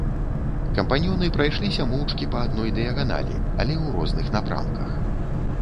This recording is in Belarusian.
Кампаньёны прайшліся моўчкі па адной дыяганалі, але ў розных напрамках.